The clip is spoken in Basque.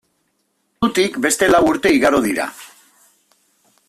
Ordutik beste lau urte igaro dira.